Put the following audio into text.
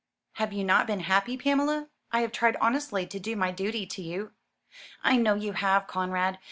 "Have you not been happy, Pamela? I have tried honestly to do my duty to you." "I know you have, Conrad.